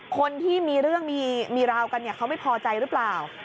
คนที่มีเรื่องมีราวกันเขาไม่พอใจหรือเปล่า